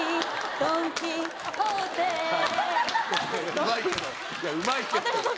うまいけどいやうまいけど。